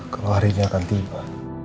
kalau hari ini akan tiba